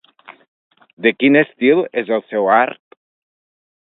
De quin estil és el seu art?